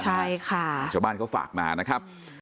ใช่ค่ะชาวบ้านเขาฝากมานะครับ